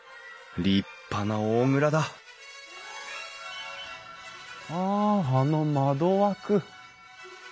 立派な大蔵だああの窓枠。